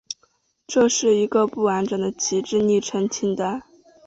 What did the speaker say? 这是一个不完整的旗帜昵称清单。